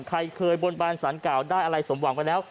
ใครเคยบนบานสารเก่าได้อะไรสมหวังไปแล้ว